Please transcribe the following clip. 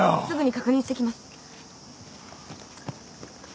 すぐに確認してきます。